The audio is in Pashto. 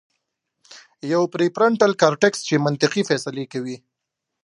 يوه پري فرنټل کارټيکس چې منطقي فېصلې کوي